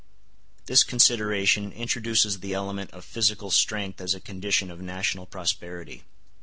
This consideration introduces the element of physical strength as a condition of national prosperity.